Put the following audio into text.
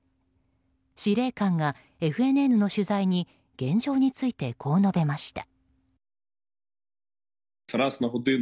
司令官がＦＮＮの取材に現状についてこう述べました。